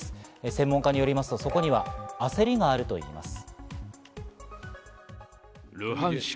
専門家によりますと、そこには焦りがあるとしています。